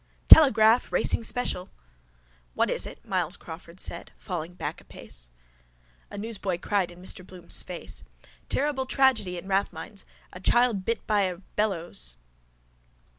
—Telegraph! Racing special! —What is it? Myles Crawford said, falling back a pace. A newsboy cried in Mr Bloom's face: —Terrible tragedy in Rathmines! A child bit by a bellows!